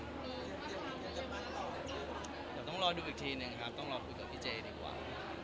เดี๋ยวต้องรอดูอีกทีหนึ่งครับต้องรอคุยกับพี่เจดีกว่า